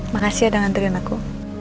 makasih ya udah nganterin aku